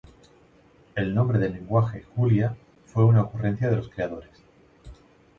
El nombre del lenguaje Julia fue una ocurrencia de los creadores.